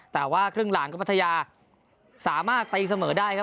แต่ว่าครึ่งหลังก็พัทยาสามารถตีเสมอได้ครับ